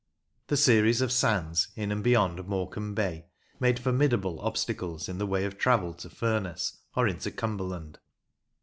The series of sands in and beyond Morecambe Bay made formidable obstacles in the way of travel to Furness or into Cumberland.